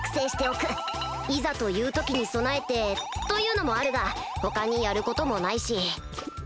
いざという時に備えてというのもあるが他にやることもないし。